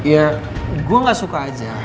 ya gue gak suka aja